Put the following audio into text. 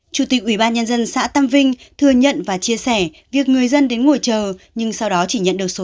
chủ tịch ủy ban nhân dân xã tam vinh thừa nhận và chia sẻ việc người dân đến ngồi chờ